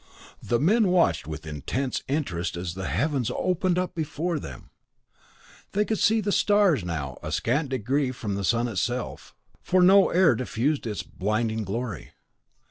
The men watched with intensest interest as the heavens opened up before them they could see stars now a scant degree from the sun itself, for no air diffused its blinding glory.